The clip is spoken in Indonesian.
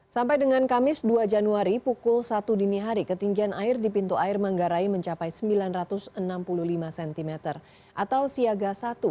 sampai dengan kamis dua januari pukul satu dini hari ketinggian air di pintu air manggarai mencapai sembilan ratus enam puluh lima cm atau siaga satu